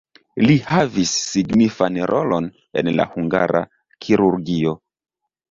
Li havis signifan rolon en la hungara kirurgio.